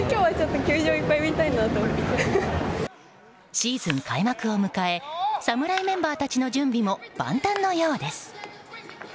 シーズン開幕を迎え侍メンバーたちの準備も万端のようです。